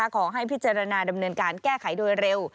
ขอให้พิจารณาดำเนินการแก้ไขโดยเร็ว